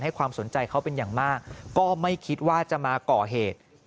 ความสนใจเขาเป็นอย่างมากก็ไม่คิดว่าจะมาก่อเหตุ